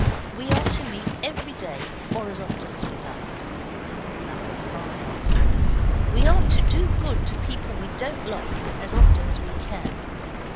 We are to meet every day, or as often as we like. 5. We are to do good to people we don't like as often as we can.